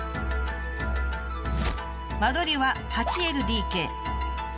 間取りは８ＬＤＫ。